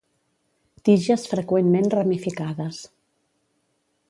Tiges freqüentment ramificades.